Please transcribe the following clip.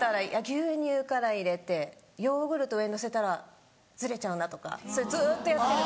牛乳から入れてヨーグルト上に載せたらずれちゃうなとかそれずっとやってる。